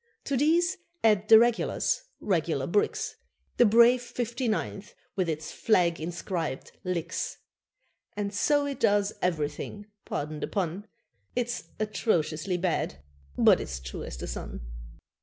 To these add the regulars regular bricks The brave Fifty ninth, with its flag inscribed LIX. (And so it does everything pardon the pun, Its atrociously bad, but it's true as the sun.)